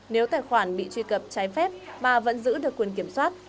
nếu tài khoản bị truy cập trái phép mà vẫn giữ được quyền kiểm soát